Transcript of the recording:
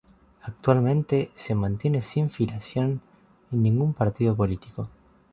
Actualmente se mantiene sin filiación en ningún partido político.